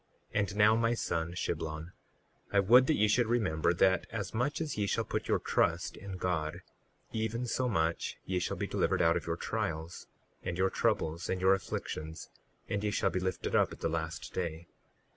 38:5 And now my son, Shiblon, I would that ye should remember, that as much as ye shall put your trust in God even so much ye shall be delivered out of your trials, and your troubles, and your afflictions, and ye shall be lifted up at the last day.